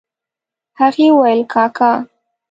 هغې وويل کاکا.